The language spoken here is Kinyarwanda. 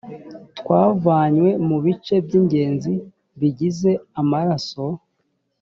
twavanywe mu bice by’ingenzi bigize amaraso